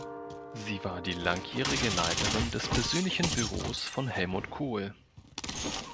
Sie war die langjährige Leiterin des persönlichen Büros von Helmut Kohl.